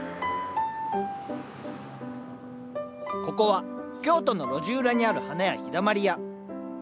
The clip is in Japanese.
ここは京都の路地裏にある花屋「陽だまり屋」。